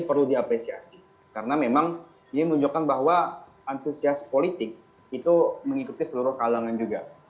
perlu diapresiasi karena memang ini menunjukkan bahwa antusias politik itu mengikuti seluruh kalangan juga